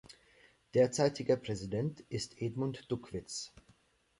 Derzeitiger Präsident ist Edmund Duckwitz.